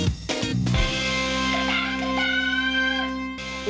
โอเค